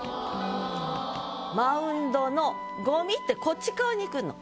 「マウンドのゴミ」ってこっち側にいくの。